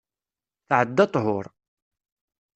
Tɛedda ṭhur.